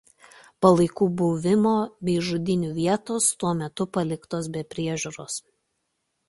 Palaikų buvimo bei žudynių vietos tuo metu paliktos be priežiūros.